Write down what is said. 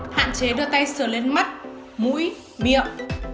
hạn chế đưa tay sờ lên mắt mũi miệng